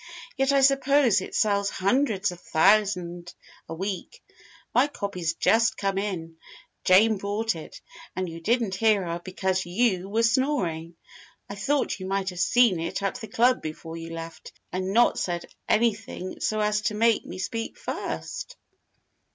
Yet I suppose it sells hundreds of thousand a week. My copy's just come in. Jane brought it and you didn't hear her because you were snoring. I thought you might have seen it at the club before you left, and not said anything so as to make me speak first."